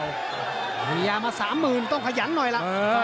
มีเมียมา๓๐๐๐๐ต้องขยันหน่อยละ